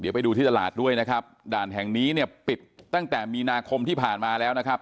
เดี๋ยวไปดูที่ตลาดด้วยนะครับด่านแห่งนี้เนี่ยปิดตั้งแต่มีนาคมที่ผ่านมาแล้วนะครับ